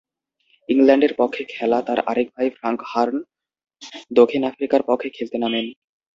ইংল্যান্ডের পক্ষে খেলা তার আরেক ভাই ফ্রাঙ্ক হার্ন দক্ষিণ আফ্রিকার পক্ষে খেলতে নামেন।